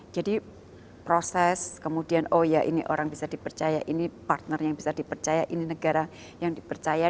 jadi proses kemudian oh ya ini orang bisa dipercaya ini partner yang bisa dipercaya ini negara yang dipercaya